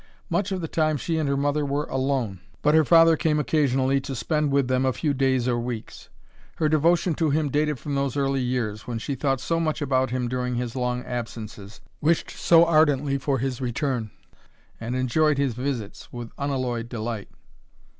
Much of the time she and her mother were alone, but her father came occasionally to spend with them a few days or weeks. Her devotion to him dated from those early years, when she thought so much about him during his long absences, wished so ardently for his return, and enjoyed his visits with unalloyed delight.